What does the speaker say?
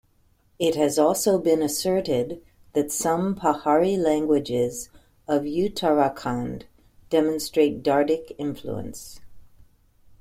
It has also been asserted that some Pahari languages of Uttarakhand demonstrate Dardic influence.